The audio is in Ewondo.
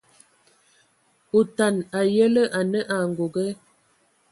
Otana a yǝlǝ anǝ angoge,